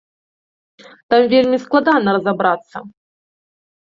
Там вельмі складана разабрацца.